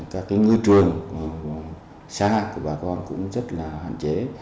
các ngư trường xa của bà con cũng rất là hạn chế